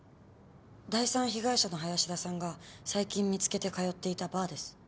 第３被害者の林田さんが最近見つけて通っていたバーです。